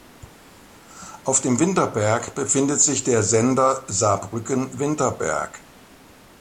Auf dem Winterberg befindet sich der Sender Saarbrücken-Winterberg.